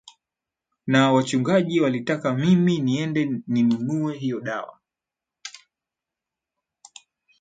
na wachungaji walitaka mimi niende ni nunue hiyo dawa